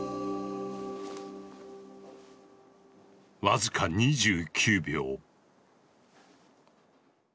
僅か２９秒。